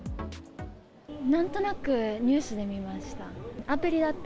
なんとなくニュースで見ました。